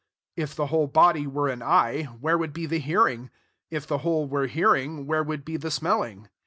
\7 If the whole body were an eye, where would be the hearing ? if the whole were hearing, where would be the smelling